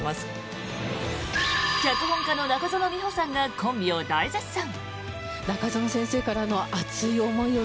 脚本家の中園ミホさんがコンビを大絶賛！